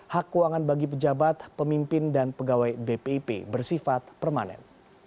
hak keuangan bagi pejabat pemimpin dan pegawai bpip bersifat permanen